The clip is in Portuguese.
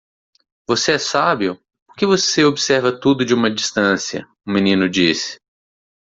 "Você é sábio? porque você observa tudo de uma distância?" o menino disse.